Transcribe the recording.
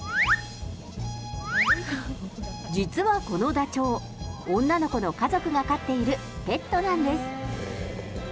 実はこのダチョウ、女の子の家族が飼っているペットなんです。